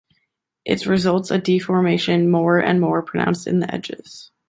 It results a deformation more and more pronounced in the edges.